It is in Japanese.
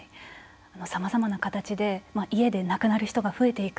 さまざまな形で家で亡くなる人が増えていく。